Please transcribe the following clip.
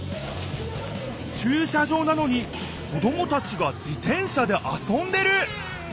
ちゅう車場なのに子どもたちが自転車であそんでる！